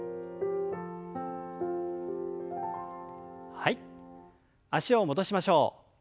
はい脚を戻しましょう。